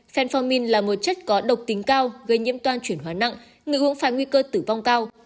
phenformin là một chất có độc tính cao gây nhiễm toan chuyển hóa nặng người uống phai nguy cơ tử vong cao